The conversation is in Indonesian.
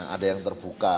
ada yang terbuka